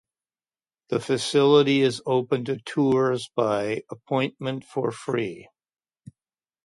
The facility is open to tours by appointment for free.